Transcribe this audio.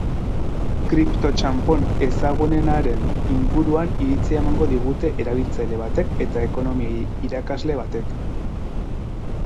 Kriptotxanpon ezagunenaren inguruan iritzia eman digute erabiltzaile batek eta ekonomia irakasle batek.